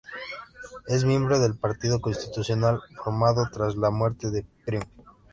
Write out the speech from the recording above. Es miembro del Partido Constitucional, formado tras la muerte de Prim.